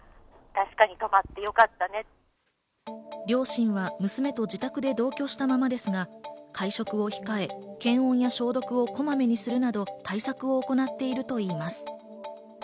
両親は娘と自宅で同居したままですが、会食を控え、検温や消毒をこまめにするなど対策を行っているといいます。